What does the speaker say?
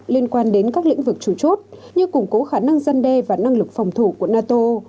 liên quan đến các lĩnh vực chủ chốt như củng cố khả năng dân đe và năng lực phòng thủ của nato